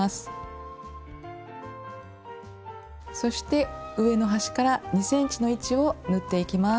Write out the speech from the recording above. そして上の端から２ｃｍの位置を縫っていきます。